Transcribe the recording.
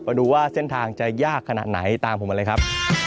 มาดูว่าเส้นทางจะยากขนาดไหนตามผมมาเลยครับ